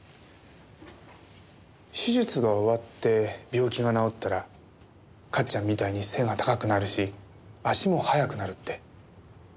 手術が終わって病気が治ったらかっちゃんみたいに背が高くなるし足も速くなるって。